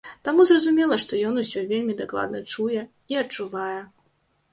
Таму зразумела, што ён усё вельмі дакладна чуе і адчувае.